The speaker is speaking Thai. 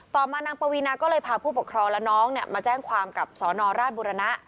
ต่อมานางปวีนาก็เลยพาผู้ปกครองและน้องมาแจ้งความกับสนราชบุรณะ